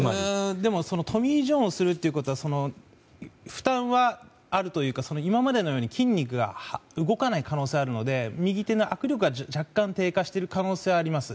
トミー・ジョンをするということは負担はあるというか今までのように筋肉が動かない可能性があるので右手の握力が若干低下している可能性があります。